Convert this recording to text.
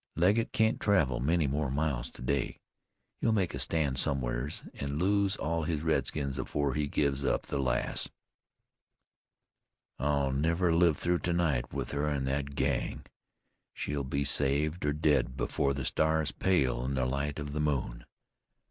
Legget can't travel many more miles to day. He'll make a stand somewheres, an' lose all his redskins afore he gives up the lass." "I'll never live through to night with her in that gang. She'll be saved, or dead, before the stars pale in the light of the moon."